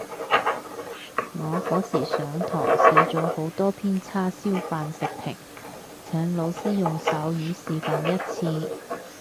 我嗰時上堂寫咗好多篇叉燒飯食評，請老師用手語示範一次